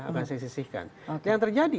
akan saya sisihkan oke yang terjadi